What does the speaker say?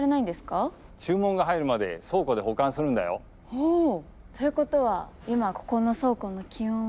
おお！ということは今ここの倉庫の気温は？